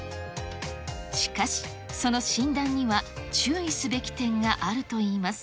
しかし、その診断には注意すべき点があるといいます。